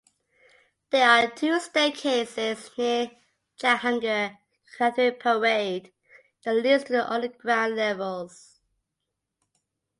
There are two staircases near Jehangir Kothari Parade that leads to the underground levels.